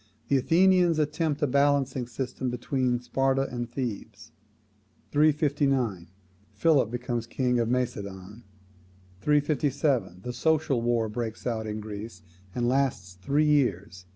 The Athenians attempt a balancing system between Sparta and Thebes. 359. Philip becomes king of Macedon. 357. The Social War breaks out in Greece, and lasts three years.